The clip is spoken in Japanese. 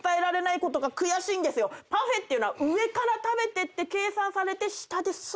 パフェってのは上から食べてって計算されて下ですっと消えてく。